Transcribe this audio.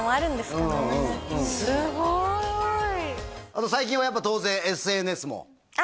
すごい最近はやっぱ当然ＳＮＳも？